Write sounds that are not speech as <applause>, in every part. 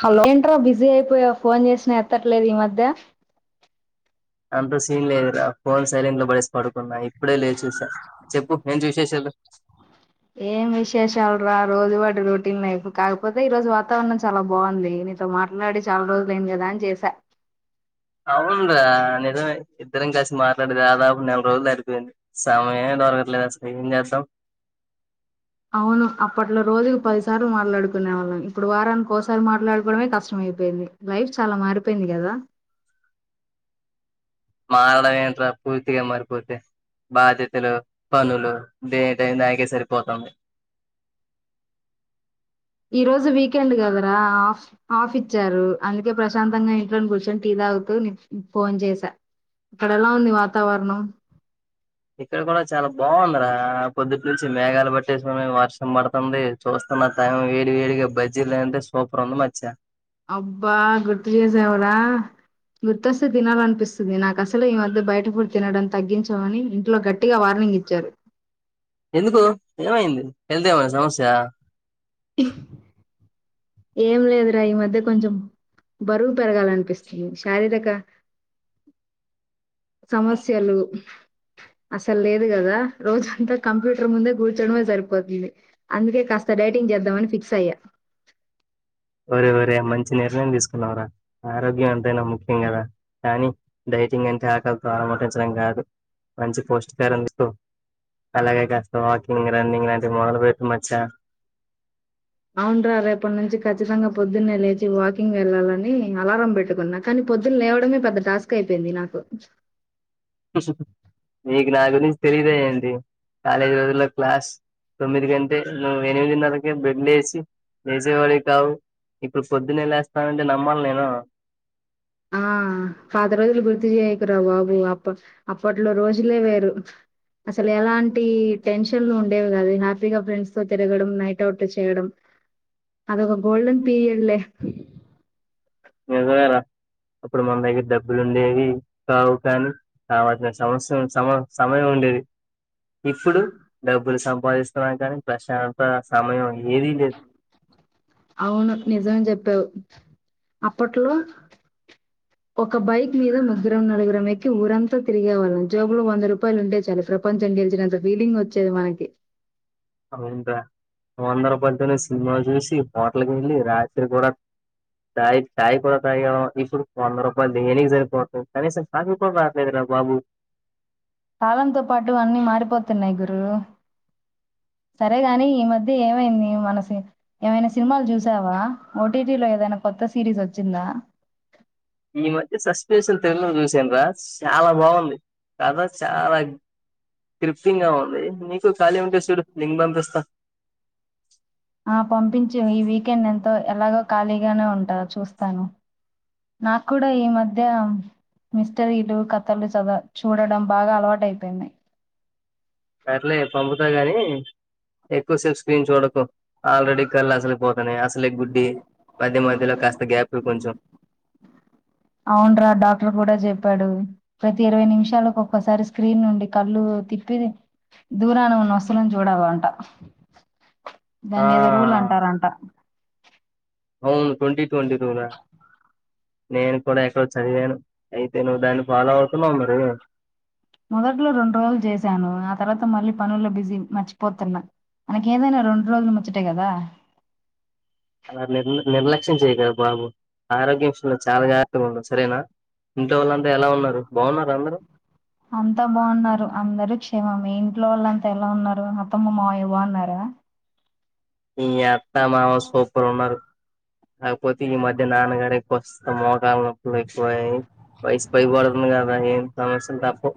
hello ఏంట్రా busy అయిపోయావు phone చేసినా ఎత్తట్లేదు ఈ మధ్య అంత సీన్లే లేదురా ఫోన్ సైలెట్ లో పడేసా పడుకున్నా ఇప్పుడే లేచి చూసా చెప్పు ఏంటి విశేషాలు ఏం విశేషాలు రా రోజు వాటి రొటీన్ లైఫ్ కాకపోతే ఈ రోజు వాతావరణం చాలా బాగుంది నీతో మాట్లాడి చాలా రోజులు అయింది కదా అని చేసా అవును రా నిజమే ఇద్దరం కాలిసి మాట్లాడే దాదాపు నెల రోజులు దాటి పోయింది సమయం మే దొరకట్లేదు అసలు ఏం చేద్దాం అవును అప్పట్లో రోజుకు పదిసార్లు మాట్లాడుకునే వాళ్ళం ఇప్పుడు వారానికి ఒకోసారి మాట్లాడుకోవడమే కష్టమయిపోయింది లైఫ్ చాలా మారిపోయింది కదా మారడం ఎంటి రా పూర్తిగా మరిపోతే బాధ్యతలు పనులు దేనికి టైం దానికే సరిపోతుంది ఈ రోజు వీకెండ్ కదరా ఆఫ్ ఆఫ్ ఇచ్చారు అందుకే ప్రశాంతంగా ఇంట్లో కూర్చొని టీ తాగుతూ నీకు ఫోన్ చేసా అక్కడ ఎలా ఉంది వాతావరణం ఇక్కడ కూడా చాలా బాగుంది రా పొద్దుటి నుంచి మేఘాలు పట్టేసి ఉన్నయి వర్షం పడతంది చూస్తున్న టైం వేడి వేడిగా బజ్జీలుంటే సూపర్ ఉంది మచ్చ అబ్బా గుర్తు చేసవురా గుర్తొస్తే తినాలనిపిస్తుంది నాకు అసలు అసలు ఈ మధ్య బయట ఫుడ్ తినడం తగ్గించమని ఇంట్లో గట్టిగా వార్నింగ్ ఇచ్చారు ఎందుకు ఏమైంది హెల్త్ ఏమనా సమస్య ఇం ఏం లేదురా ఈ మధ్య కొంచెం బరువు పెరగాలనిపిస్తుంది శారీరక సమస్యలు అసలు లేదు కదా రోజంతా కంప్యూటర్ ముందే కూర్చడమే సరిపోతుంది అందుకే కాస్త డైటింగ్ చేద్దామని ఫిక్స్ అయ్యా ఒరి ఒరే మంచి నిర్ణయం తీసుకున్నవ్ రా ఆరోగ్యం ఎంతైనా ముఖ్యం గదా కానీ డైటింగ్ అంటే ఆకలితో అలమటించడం గాదు మంచి పౌష్టికాహారం తీస్కో అలాగే కాస్త వాకింగ్ రన్నింగ్ లాంటివి మొదలు బెట్టు మచ్చా అవున్రా రేపటి నుంచి ఖచ్చితంగా పొద్దున్నే లేచి వాకింగ్ ఎళ్లాలని అలారం పెట్టుకున్నా కనీ పొద్దున లేవడమే పెద్ద టాస్క్ అయిపోయింది నాకు నీకు నా గురించి తెలిద ఏంటి కాలేజీ రోజుల్లో క్లాస్ తొమ్మిది గంటే నువు ఎనిమిదిన్నరకె బెడ్ లేేసి <unintelligible> కావు ఇప్పుడు పొద్దున్నే లేస్తానంటే నమ్మాల నేను ఆ పాత రోజులు గుర్తు జేయకురా బాబు అప్పట్ అప్పట్లో రోజులే వేరు అసలు ఎలాంటి టెన్షన్లు ఉండేవి గాదె నాక్ ద్దిగ ఫ్రెండ్స్ తో తిరగడం నైట్ అవుట్లు చేయడం అదొక గోల్డన్ పీరియడ్లే నిజమేర అప్పుడు మన దగ్గర డబ్బులు ఉండేవి కావు కనీ కాబట్టి నే సమస్య సమ సమయం ఉండేది ఇప్పుడు డబ్బులు సంపాదిస్తున్నామ్ కనీ ప్రశాంత సమయం ఏది లేదు అవును నిజం చెప్పావు అప్పట్లో ఒక బైక్ మీద ముగ్గురం నలుగురం ఎక్ ఊరంతా తిరిగే వాళ్ళం జేబులో వంద రూపాయలు ఉంటె చాలు ప్రపంచం గెలిచినంత ఫీలింగ్ వచ్చేది మనకి అవున్ర వంద రూపల్తోనే సినిమా జూసి హోటల్కెల్లి రాత్రి గూడ చాయ్ చాయ్ కూడ తాగాము ఇప్పుడు వంద రూపాయలు దేనికి సరిపోతుంది కానీసం కాఫీ క్కుడ రాట్లేదురా బాబు కాలంతో పాటు అన్ని మారిపోతున్నయ్ గురూ సరే గనీ ఈ మధ్య ఏమైంది మనసి ఏమైన సినిమాలు చూసావా ఓ టీ టీ లో ఏదైనా కొత్త సిరీస్ వచ్చిందా ఈ మధ్య సస్పెన్షన్ సినిమా చూసిన్ర చాలా బాగుంది కత చాలా తృప్తింగా ఉంది నీకు ఖాళీ ఉంటే చూడు లింక్ పంపిస్తా ఆ పంపించు ఈ వీకెండ్ ఎంతో ఎలాగో ఖాళీగానే ఉంటాగ చూస్తాను నాక్కుడా ఈ మధ్య మిస్టరీలు కథలు చదవ చూడడం బాగా అలవాటయిపోయింది సర్లే పంపుతా గాని ఎక్కువసేపు స్క్రీన్ చూడకు ఆల్రెడీ కళ్ళు అసలే పోతన్నయి అసలే గుడ్డి మధ్య మధ్యలో కాస్త గ్యాప్ ఇవు కొంచెం అవున్రా డాక్టర్ కూడా చెప్పాడు ప్రతి ఇరవై నిమిషాలుకు ఒక్కసారి స్క్రీన్ నుండి కళ్ళు తిప్పిది దూరాన ఉన్న వస్తువులని చూడాలంట అంట ఆ దాన్ని ఏదో రూల్ అంటారంట అవును ట్వంటీ ట్వంటీ రూలా నేను కూడ ఎక్కడో చదివాను అయితే నువ్వు దాన్ని ఫాలో అవుతున్నావ మరి మొదట్లో రెండు రోజులు చేసాను, ఆ తర్వాత మళ్ళీ పనుల్లో బిజీ మర్చిపోతున్నా మనకేదైనా రొండ్రోజుల ముచ్చటే గదా అలా నిర్ నిర్లక్ష్యం చేయ్యకే బాబు ఆరోగ్యం విషయంలో చాలా జాగ్రత్తగ ఉండు సరేనా ఇంట్లో వాళ్ళంత ఎలా ఉన్నారు బావున్నార అందరూ అంతా బావున్నారు అందరూ క్షేమమే మీ ఇంట్లో వాళ్ళు అంత ఎలా ఉన్నారు అత్తమ్మ మావయ్య బావున్నారా మీ అత్త మామ సూపర్ ఉన్నారు కాకపోతే ఈ మధ్య నాన్నగారే కొస్త మోకాలు నొప్పులు ఎక్కువయ్యాయి వయసు పైబడుతుంది కదా ఏం సమస్యలు తప్పవ్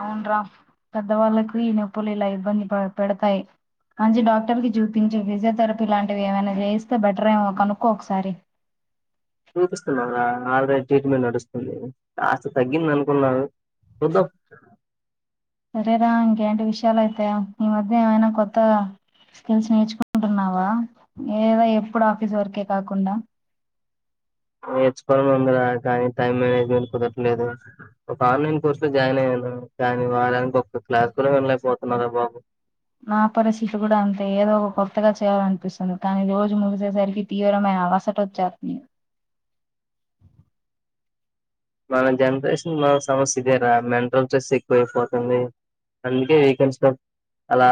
అవున్రా పెద్దవాళ్ళలకు ఈ నొప్పులు ఇల ఇబ్బంది పెడతాయ్ మంచి డాక్టర్ కి చూపించి ఫిజియథెరపీ లాంటివి ఏమైనా చేయిస్తే బెటర్ ఏమో కనుకో ఒకసారి చూపిస్తున్నా ఆల్రెడీ ట్రీట్మెంట్ నడుస్తుంది కాస్త తగ్గింది అనుకున్నా చూద్దాం సరేర ఇంకేంటి విషయాలయితే ఈ మధ్య ఏమైనా కొత్త స్కిల్స్ నేర్చుకుంటున్నావ <unintelligible> ఎప్పుడు ఆఫీస్ వర్కే కాకుండా నేర్చుకోవలని ఉందిరా కానీ టైం మేనేజ్మెంట్ కుదరలేదు ఒక ఆన్లైన్ కోర్సు లో జాయిన్ అయ్యాను కానీ వాళ్ళ ఒక క్లాస్ కూడ వినలైపోతున్నారా బాబు నా పరిస్థితి కూడ అంతే ఏదో ఒక కొత్తగా చేయాలనిపిస్తుంది కానీ రోజు ముగిసేసరికి తీవ్రమైన అవాసటవచ్చే <unintelligible> మన జనరేషన్ మన సమస్య ఇదేరా మెంటల్ స్ట్రెస్ ఎక్కువైపోతుంది అందుకే వీకెండ్స్ లో అలా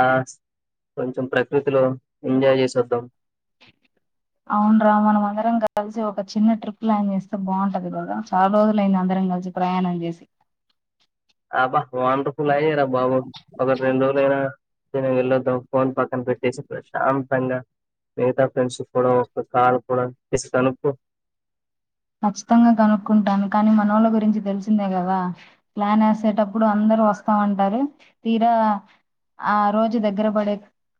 కొంచెం ప్రకృతిలో ఎంజాయ్ చేసోద్దాం అవునరా మనం అందరం కలిసి ఒక చిన్న ట్రిప్ ప్లాన్ చేస్తే బాగుంటది కదా చాలా రోజులు అయింది అందరం కలిసి ప్రయాణం చేసి <unintelligible> <unintelligible> వెళ్ళొద్దాం ఫోన్ పక్కన పెట్టేసి ప్రశాంతంగ మిగతా ఫ్రెండ్స్ కూడ ఒక కార్ కూడ <unintelligible> కచ్చితంగా కనుక్కుంటాను కానీ మనోళ్ళ గురించి తెలిసిందే కదా ప్లాన్ వేసేటప్పుడు అందరు వస్తామంటారు తీరా ఆ రోజు దగ్గర పడే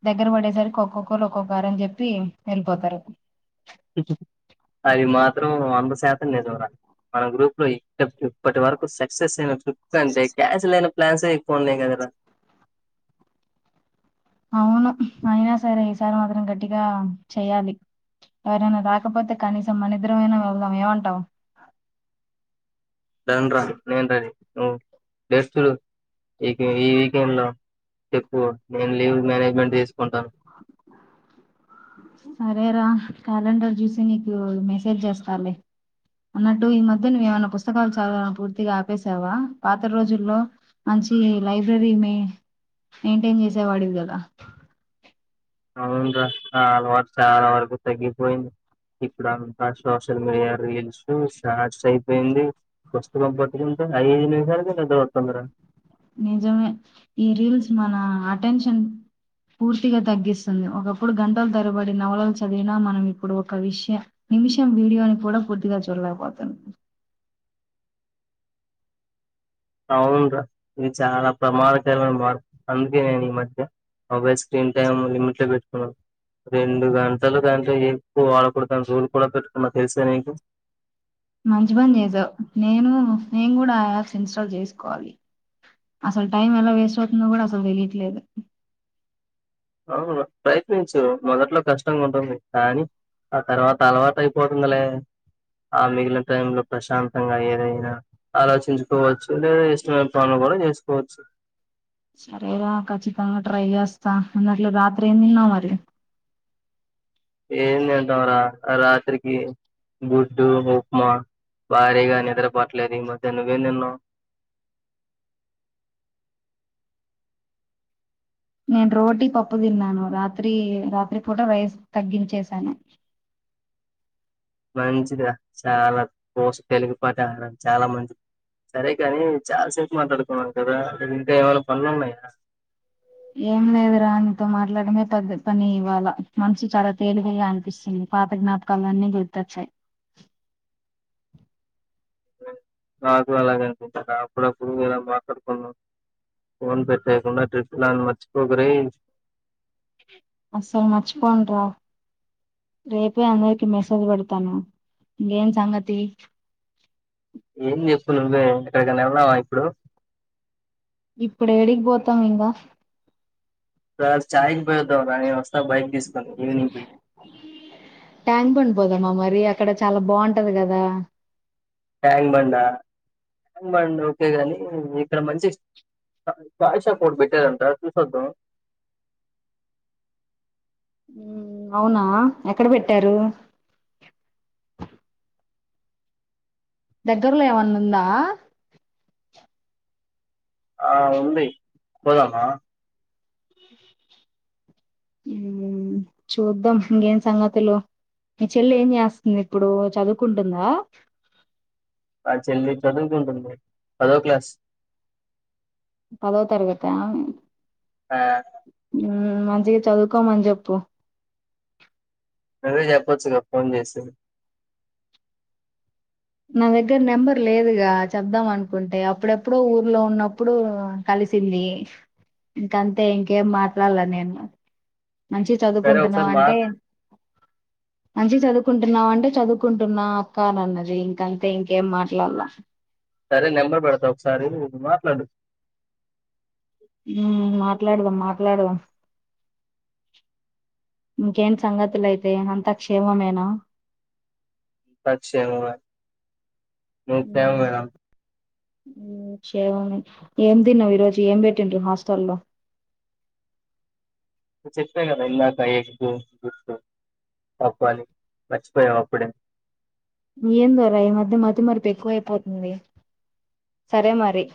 దగ్గర పడేసరికి ఒక్కోక్కలు ఒక్కొ కారనం అని చెప్పి వెళ్ళిపోతారు అది మాత్రం వంద శాతం నిజంర మన గ్రూప్ లో ఇ ఇప్పటి వరకు సక్సెస్ అయినట్టు <unintelligible> అంటే కాన్సల్ అయినా ప్లాన్స్ ఎక్కువ ఉన్నాయి కదర అవును అయినా సరే ఈసారి మాత్రం గట్టిగా చెయాలి ఎవరైన రాకపోతే కనీసం మన ఇద్దరం అయినా వెళ్దాం ఏమంటావ్ <unintelligible> ఈ ఈ వీకెండ్ లో ఎక్కువ నేను లీవ్ మేనేజ్మెంట్ తీసుకుంటాను సరేరా క్యాలెండర్ చూసి నీకు మెసేజ్ చేస్తలే అన్నట్టు ఈ మధ్య నువ్వ ఏమైనా పుస్తకాలు చదవడం పూర్తిగా ఆపసావ పాత రోజుల్లో మంచి లైబ్రరీ మెయింటైన్ చేసేవాడివి కదా అవును చాల <unintelligible> చాల వరకు తగ్గిపోయింది ఇప్పుడ అంత సోషల్ మీడియా రీల్స్ షార్ట్స్ అయిపోయింది వస్తు కంపట్టికింట ఐదు నిమిషాలు <unintelligible> నిజమే ఈ రీల్స్ మన అటెన్షన్ పూర్తిగా తగ్గిస్తుంది ఒకప్పుడు గంటల తరబడి నవలలు చదివిన మనం ఇప్పుడు ఒక విషయం నిమిషం వీయోని కూడ పూర్తిగ చూడలేకపోతునం అవునురా ఇది చాల ప్రమాదకరమ అందుకే నేను ఈ మధ్య మొబైల్ స్క్రీన్ టైమ్ లిమిట్ లో పెట్టుకున్నాం రెండు గంటలు దాంట్లో ఎక్కువ వాడకడదాను చోలు కూడ పెట్టుకున్నా తెలిసే ఇంకా మంచి పని చేసావు నేను నేను కూడ ఆ యాప్స్ ఇన్స్టాల్ చేసుకోవాలి అసలు టైం ఎలా వేస్ట్ అవుతుందో కూడ అసలు తెలియట్లేదు అవును ప్రయత్నించు మొదట్లో కష్టంగ ఉంటుంది కానీ ఆ తర్వాత అలవాట్ అయిపోతుందిలే ఆ మిగిలిన టైమ్లో ప్రశాంతంగా ఏదైనా ఆలోచించుకోవచ్చు లేదా ఇష్టమైన పనులు కూడ చేసుకోవచ్చు సరేర ఖచ్చితంగా ట్రై చేస్తా అన్నట్లు రాత్రి ఏం తిన్నావ్ మరి ఏం తింటామ్రా రాత్రికి గుడ్డు ఉప్మా భారీగ నిద్ర పట్లేదు ఈ మధ్యన్నగే నిన్న నేను రోటీ పప్పు తిన్నాను రాత్రి రాత్రి పూట రైస్ తగ్గించేసాను మంచిది చాలా కోస తెలుగు పాట నాక్ చాలా మంచిది సరే కాని చాల సేపు మాట్లాడుకున్నాము కదా అ ఇంకా ఏమైన పనులు ఉన్నాయా ఏం లేదు రా నితో మాట్లాడమే పెద్ద పని ఇవ్వాల మనసు చాల తేలికగా అనిపిస్తుంది పాత జ్ఞాపకాలు అన్నీ గుర్తొచ్చాయి నాకు అలాగె అనిపించింది నాక్కుడ అప్పుడుప్పుడులా మాక్కడుకున్నా ఫోన్ పెట్టేయకుండా ట్రిప్ ప్లాన్ మర్చిపోకు రె అస్సల్ మర్చి పోనురా రేపే అందరికి మెసేజ్ పెడతాను ఇంకేం సంగతి ఏం చెప్పు నువ్వే ఎక్కడికన్నా వెళ్దామ ఇప్పుడు ఇప్పుడు ఏడిగి పోతాం ఇంకా రా చాయ్ కి పోయిద్దాం రా నేను వస్తా బైక్ తీసుకుొని ఈవినింగ్ పోయి ట్యాంక్ పండిపోదామ్మా మరి అక్కడ చాలా బాగుంటది కదా ట్యాక్ బండా ట్యాక్ బండి ఓకే గాని ఇక్కడ మంచి అక్కడ చాయ్ షాప్ ఒకటి పెట్టారంట చూసొద్దాం అవునా ఎక్కడ పెట్టారు దగ్గర్లో ఏమన్నా ఉందా ఆ ఉంది పోదామ <inaudible> ఉమ్ చూద్దాం ఇంకేం సంగతులు మీ చెల్లి ఏం చేస్తుంది ఇప్పుడు చదువుకుంటుందా మా చెల్లి చదువుకుంటుంది పదో క్లాస్ పదొ తరగతి ఆ ఆ ఉమ్ మంచిగ చదువుకోమని చెప్పు నువ్వే చెప్పొచ్చుగా ఫోన్ చేసి నా దగ్గర నెంబర్ లేదుగా చెప్దాం అనుకుంటే అప్పుడెప్పుడో ఊర్లో ఉన్నప్పుడు కలిసింది ఇంక అంతే ఇంకేం మాట్లాడల నేను మంచిగ సరే చదువుకుంటున్నాం ఒకసారి మా అంటే మంచిగా చదువుకుంటున్నావు అంటే చదువుకుంటున్నా అక్క అని అన్నది ఇంక అంతే ఇంకేం మాట్లాడలా సరే నెంబర్ పెడతా ఒకసారి నువ్వు మాట్లాడు మ్ మాట్లాడదం మాట్లాడదం ఇంకేంటి సంగతులు అయితే అంతా క్షేమమేనా ఖచ్చితంగా ఉమ్ క్షేమమే ఏం తిన్నావ్ ఈ రోజు ఏం పెట్టిండు హాస్టల్ల్లో చెప్పాను కదా ఇందాక పప్పు అని మర్చిపోయావు అప్పుడే ఏందో రా ఈ మధ్య మతి మరపు ఎక్కువ అయిపోతుంది సరే మరి